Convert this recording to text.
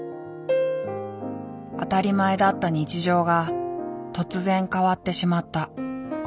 当たり前だった日常が突然変わってしまった今年の夏。